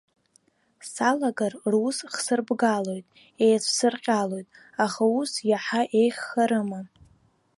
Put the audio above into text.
Салагар, рус хсырбгалоит, еицәсырҟьалоит, аха ус иаҳа еиӷьхарыма?